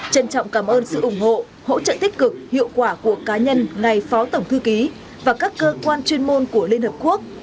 trân trọng cảm ơn sự ủng hộ hỗ trợ tích cực hiệu quả của cá nhân ngài phó tổng thư ký và các cơ quan chuyên môn của liên hợp quốc